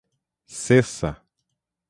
Cessa